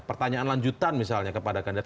pertanyaan lanjutan misalnya kepada kandidat